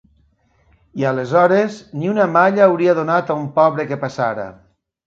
I, aleshores, ni una malla hauria donat a un pobre que passara.